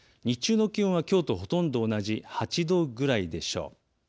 日中の気温はきょうとほとんど同じ、８度くらいでしょう。